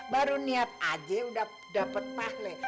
baru niat aja udah dapet tagli